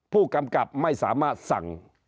ผู้กำกับไม่สามารถสั่ง